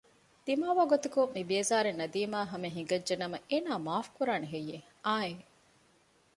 ދިމާވާގޮތަކުން މިބޭޒާރެއް ނަދީމާއާ ހަމަޔަށް ހިނގައްޖެ ނަމަ އޭނާ މާފުކުރާނެ ހެއްޔެވެ؟ އާއެނއް